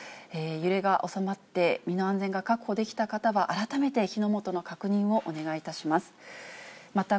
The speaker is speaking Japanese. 揺れが収まって身の安全が確保できた方は改めて火の元の確認をお願いいたします。